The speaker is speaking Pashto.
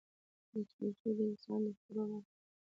مچمچۍ د انسان د خوړو برخه ده